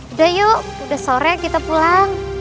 udah yuk udah sore kita pulang